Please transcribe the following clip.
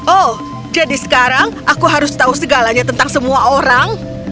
oh jadi sekarang aku harus tahu segalanya tentang semua orang